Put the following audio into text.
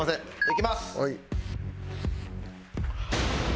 いきます！